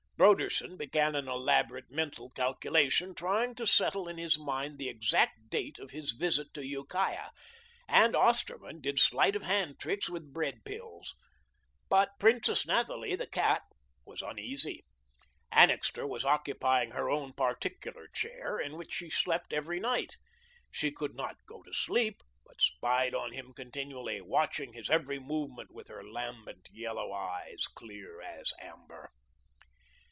Broderson began an elaborate mental calculation, trying to settle in his mind the exact date of his visit to Ukiah, and Osterman did sleight of hand tricks with bread pills. But Princess Nathalie, the cat, was uneasy. Annixter was occupying her own particular chair in which she slept every night. She could not go to sleep, but spied upon him continually, watching his every movement with her lambent, yellow eyes, clear as amber.